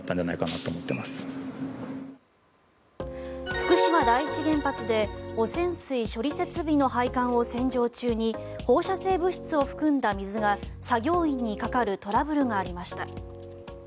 福島第一原発で汚染水処理設備の配管を洗浄中に放射性物質を含んだ水が作業員にかかるトラブルがありました。